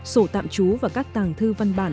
sổ tạm trú và các tàng thư